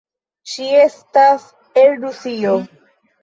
Ŝi estas el Rusio.